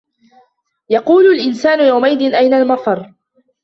يَقولُ الإِنسانُ يَومَئِذٍ أَينَ المَفَرُّ